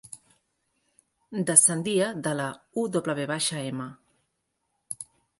Descendia de la UWM.